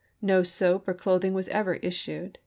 No soap or cloth ing was ever issued.